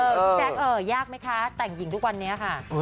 พี่แจ๊คยากไหมคะแต่งหญิงทุกวันนี้ค่ะ